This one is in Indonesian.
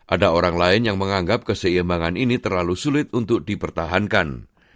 ada orang lain yang menganggap keseimbangan ini terlalu sulit untuk dipertahankan